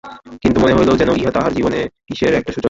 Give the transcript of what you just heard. কিন্তু মনে হইল, যেন ইহা তাহার জীবনে কিসের একটা সূচনা।